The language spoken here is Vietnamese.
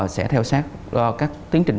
sẽ theo sát các tiến trình